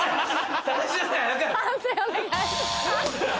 判定お願いします。